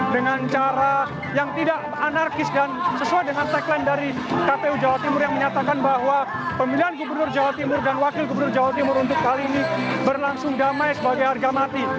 dengan cara yang tidak anarkis dan sesuai dengan tagline dari kpu jawa timur yang menyatakan bahwa pemilihan gubernur jawa timur dan wakil gubernur jawa timur untuk kali ini berlangsung damai sebagai harga mati